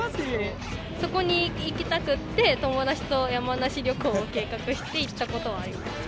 そこに行きたくて友達と山梨旅行を計画して行った事はあります。